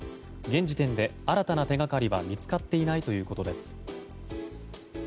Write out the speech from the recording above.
現時点で新たな手掛かりは見つかっていないということです。